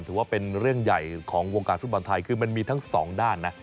ถือว่าเป็นเรื่องใหญ่ของวงการฟุตบอลไทยคือมันมีทั้งสองด้านนะ